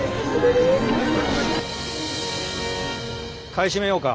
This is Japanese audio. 買い占めようか。